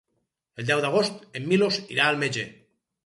El deu d'agost en Milos irà al metge.